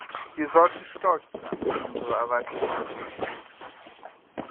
Wir sollten stolz sein auf unsere Erweiterungspolitik.